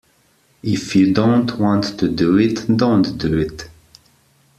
If you don't want to do it, don't do it.